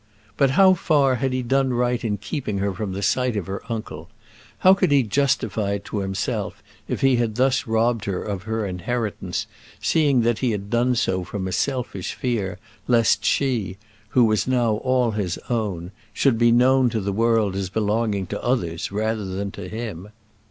But how far had he done right in keeping her from the sight of her uncle? How could he justify it to himself if he had thus robbed her of her inheritance, seeing that he had done so from a selfish fear lest she, who was now all his own, should be known to the world as belonging to others rather than to him?